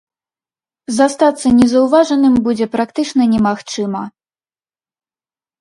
Застацца незаўважаным будзе практычна немагчыма.